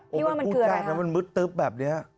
พี่ว่ามันคืออะไรครับมันมืดตึ๊บแบบนี้